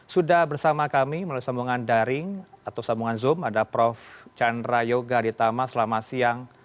sudah bersama kami melalui sambungan daring atau sambungan zoom ada prof chandra yoga ditama selamat siang